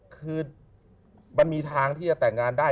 คือมันมีทางที่จะแต่งงานได้